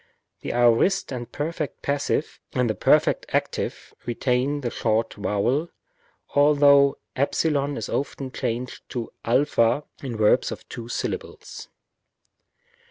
The aorist and perfect passive and the perfect active retain the short vowel, although ε is often changed to a in verbs of two syllables.